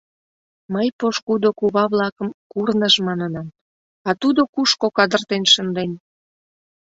Мый пошкудо кува-влакым «курныж» манынам, а тудо кушко кадыртен шынден.